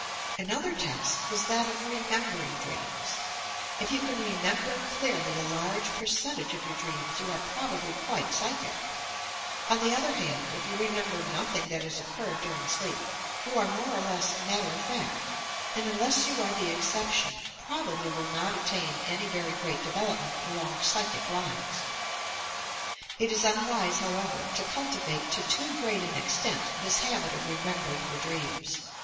Another test is that of remembering dreams. If you can remember clearly a large percentage of your dreams, you are probably quite psychic. On the other hand, if you remember nothing that has occurred during sleep, you are more or less matter of fact, and, unless you are the exception, probably will not attain any very great development along psyehic lines. It is un wise, however, to cultivate to too great an extent this habit of remembering your dreams.